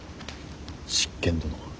執権殿は。